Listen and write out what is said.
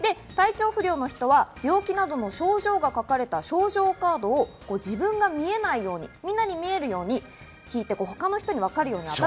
体調不良の人は病気などの症状が書かれた症状カードを自分が見えないように、みんなに見えるように引いていきます。